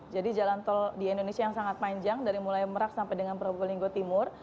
jadi jalan tol di indonesia yang sangat panjang dari mulai merak sampai dengan provolinggo timur